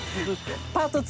パート２。